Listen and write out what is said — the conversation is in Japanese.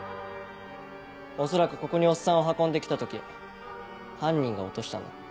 恐らくここにおっさんを運んで来た時犯人が落としたんだ。